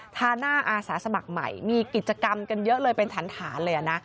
ทาหน้าอาสาสมัครใหม่มีกิจกรรมกันเยอะเลยเป็นฐานเลยนะ